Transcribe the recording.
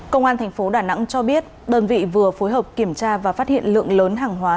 công an thành phố đà nẵng cho biết đơn vị vừa phối hợp kiểm tra và phát hiện lượng lớn hàng hóa